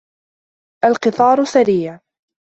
الْقِطَارُ سَرِيعٌ.